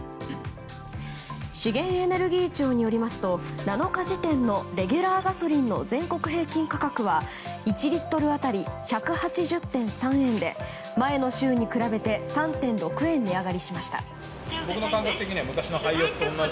資源エネルギー庁によりますと７日時点のレギュラーガソリンの全国平均価格は１リットル当たり１８０．３円で前の週に比べて３．６円値上がりしました。